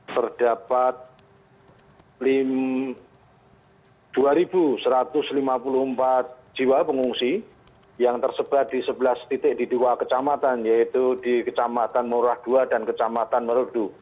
terdapat dua satu ratus lima puluh empat jiwa pengungsi yang tersebar di sebelas titik di dua kecamatan yaitu di kecamatan murah ii dan kecamatan merudu